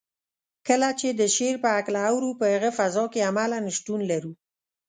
کله چې د شعر په هکله اورو په هغه فضا کې عملاً شتون لرو.